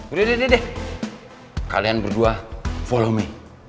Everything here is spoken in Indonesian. udah deh deh deh kalian berdua follow me